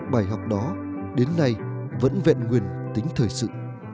bài học đó đến nay vẫn vẹn nguyên tính thời sự